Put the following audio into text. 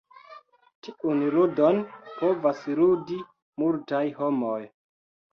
Tiun "ludon" povas "ludi" multaj homoj.